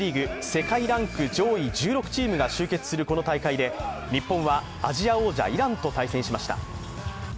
世界ランク上位１６チームが集結するこの大会で日本はアジア王者・イランと対戦しました。